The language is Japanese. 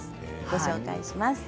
ご紹介します。